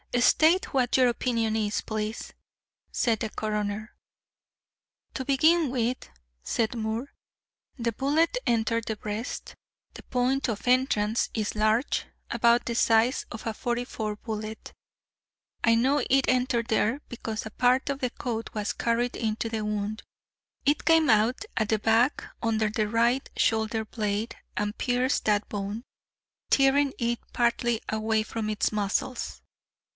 "State what your opinion is, please," said the coroner. "To begin with," said Moore, "the bullet entered the breast; the point of entrance is large, about the size of a 44 bullet. I know it entered there, because a part of the coat was carried into the wound. It came out at the back under the right shoulder blade and pierced that bone, tearing it partly away from its muscles.